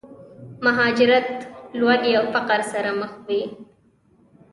مهاجرت، لوږې او فقر سره مخ وي.